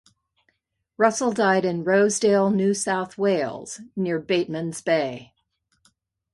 Russell died in Rosedale, New South Wales, near Batemans Bay.